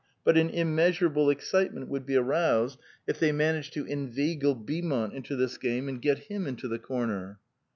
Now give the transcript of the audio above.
But an immeasurable excitement would be aroused if the}' managed to inveigle Beaumont into this game, and get him into the corner.